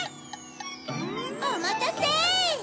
おまたせ！